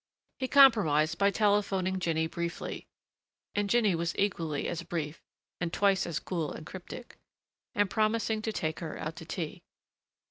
He compromised by telephoning Jinny briefly and Jinny was equally as brief and twice as cool and cryptic and promising to take her out to tea.